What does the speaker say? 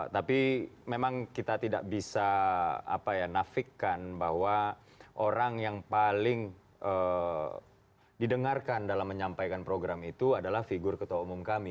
tapi memang kita tidak bisa nafikkan bahwa orang yang paling didengarkan dalam menyampaikan program itu adalah figur ketua umum kami